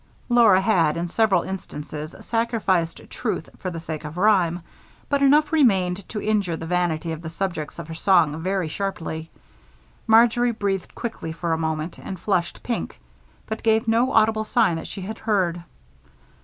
Laura had, in several instances, sacrificed truth for the sake of rhyme, but enough remained to injure the vanity of the subjects of her song very sharply. Marjory breathed quickly for a moment and flushed pink but gave no audible sign that she had heard.